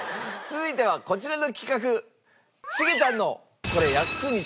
続いてはこちらの企画。